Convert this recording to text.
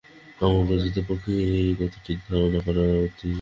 সমগ্র জগতের পক্ষেই এই কথাটি ধারণা করা অতি কঠিন।